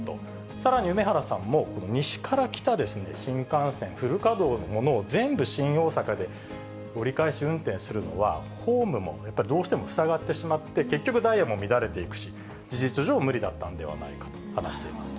さらに梅原さんも、この西から来た新幹線、フル稼働のものを全部、新大阪で折り返し運転するのは、ホームも、やっぱりどうしても塞がってしまって、結局、ダイヤも乱れていくし、事実上無理だったんではないかと話しています。